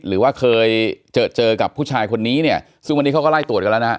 หรือว่าเคยเจอเจอกับผู้ชายคนนี้เนี่ยซึ่งวันนี้เขาก็ไล่ตรวจกันแล้วนะฮะ